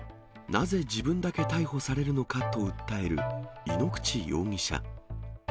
なぜ自分だけ逮捕されるのかと訴える、井ノ口容疑者。